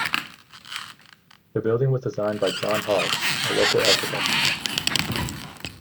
The building was designed by John Hogg, a local architect.